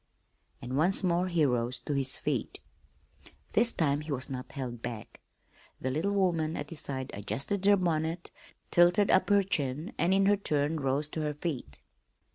And once more he rose to his feet. This time he was not held back. The little woman at his side adjusted her bonnet, tilted up her chin, and in her turn rose to her feet.